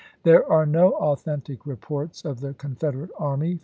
There are no authentic reports of the Confederate araiy W.